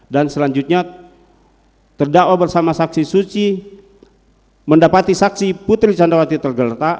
dan selanjutnya terdakwa bersama saksi suci mendapati saksi putri candrawati tergelerta